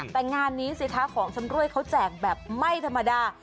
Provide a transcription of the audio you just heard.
แต่งานนี้สิคะของชำรวยเขาแจกแบบไม่ธรรมดา